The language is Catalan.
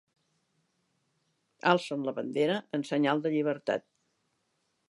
Alcen la bandera en senyal de llibertat.